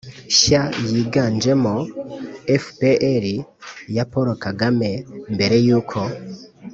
nshya yiganjemo fpr ya paul kagame, mbere yuko